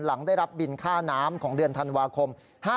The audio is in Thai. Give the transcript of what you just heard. หลังได้รับบินค่าน้ำของเดือนธันวาคม๕๕